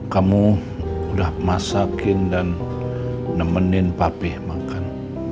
kamu udah masakin dan nemenin papeh makan